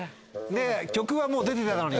曲はもう出てたのに。